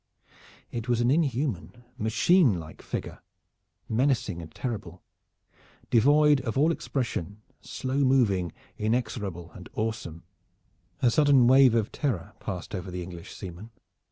It was an inhuman, machine like figure, menacing and terrible, devoid of all expression, slow moving, inexorable and awesome. A sudden wave of terror passed over the English seamen.